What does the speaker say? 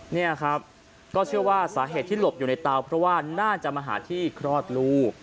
นี่ครับก็เชื่อว่าสาเหตุที่หลบอยู่ในเตาเพราะว่าน่าจะมาหาที่คลอดลูก